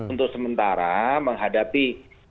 untuk sementara menghadapi